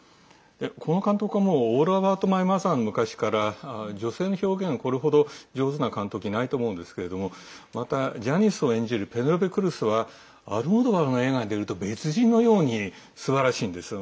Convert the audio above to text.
この監督は「オール・アバウト・マイ・マザー」の昔から女性の表現、これほど上手な監督いないと思うんですけれどもまた、ジャニスを演じるペネロペ・クルスはアルモドバルの映画に出ると別人のようにすばらしいんです。